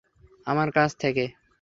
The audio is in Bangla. আমার কাছ থেকে?